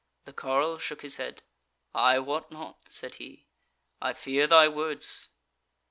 The carle shook his head. "I wot not," said he, "I fear thy words."